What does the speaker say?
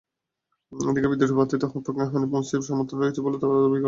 এদিকে বিদ্রোহী প্রার্থীদের পক্ষে হানিফ মুন্সীর সমর্থনও রয়েছে বলে তাঁরা দাবি করেন।